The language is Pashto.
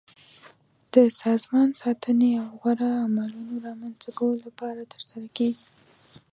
د سازمان ساتنې او غوره عملونو رامنځته کولو لپاره ترسره کیږي.